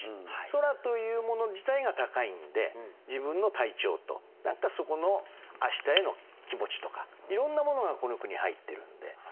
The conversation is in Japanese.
空というもの自体が高いんで自分の体調と何かそこのあしたへの気持ちとかいろんなものがこの句に入ってるんで。